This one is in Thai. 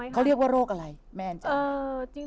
เขาเรียกว่าโรคอะไรแม่นจัง